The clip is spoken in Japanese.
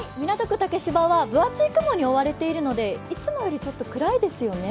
竹芝は分厚い雲に覆われているので、いつもよりちょっと暗いですよね。